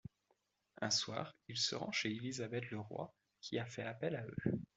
Un soir, il se rend chez Élisabeth Leroy, qui a fait appel à eux.